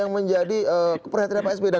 dan saya sepakat dengan perhatiannya pak sby itu